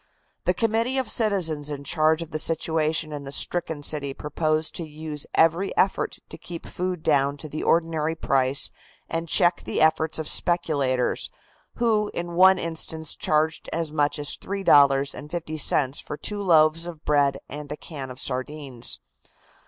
The committee of citizens in charge of the situation in the stricken city proposed to use every effort to keep food down to the ordinary price and check the efforts of speculators, who in one instance charged as much as $3.50 for two loaves of bread and a can of sardines.